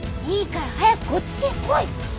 いいから早くこっちへ来い！